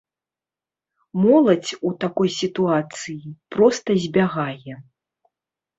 Моладзь у такой сітуацыі проста збягае.